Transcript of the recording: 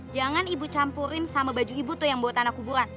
jangan ibu campurin sama baju ibu tuh yang buat anak kuburan